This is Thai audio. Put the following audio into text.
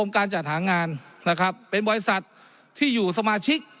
การจัดหางานนะครับเป็นบริษัทที่อยู่สมาชิก